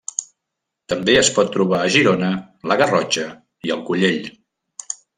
També es pot trobar a Girona, la Garrotxa i el Collell.